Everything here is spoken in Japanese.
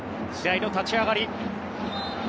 試合の立ち上がり